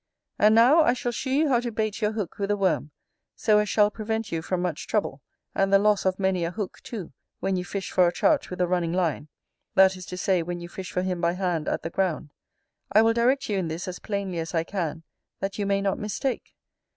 And now, I shall shew you how to bait your hook with a worm so as shall prevent you from much trouble, and the loss of many a hook, too, when you fish for a Trout with a running line; that is to say, when you fish for him by hand at the ground. I will direct you in this as plainly as I can, that you may not mistake.